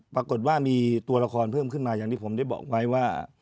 ปรากฏว่ามีตัวละครเพิ่มขึ้นมาอย่างที่ผมได้บอกไว้ว่า